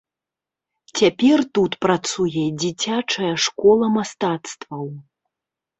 Цяпер тут працуе дзіцячая школа мастацтваў.